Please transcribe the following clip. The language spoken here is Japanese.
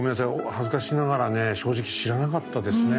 恥ずかしながらね正直知らなかったですね。